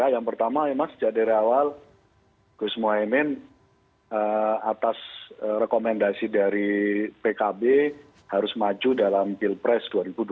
yang pertama memang sejak dari awal gus mohaimin atas rekomendasi dari pkb harus maju dalam pilpres dua ribu dua puluh